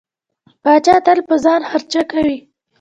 پاچا تل په ځان خرچه کوي.